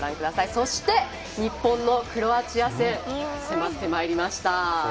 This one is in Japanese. そして日本のクロアチア戦が迫ってまいりました。